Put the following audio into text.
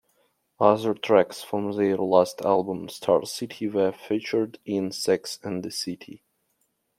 Other tracks from their last album "Starcity" were featured in "Sex and the City".